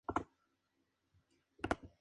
Se corresponde con la provincia de Valencia.